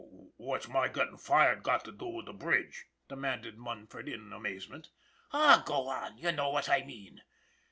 " What's my gettin' fired got to do with the bridge?" demanded Munford, in amazement. "Aw, go on; you know what I mean.